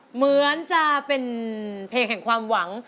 เหมือนจะเป็นเพลงแห่งความหวัง